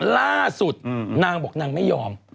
ล่าสุดนางบอกนางไม่ยอม